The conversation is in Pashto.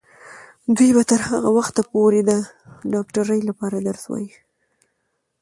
دوی به تر هغه وخته پورې د ډاکټرۍ لپاره درس وايي.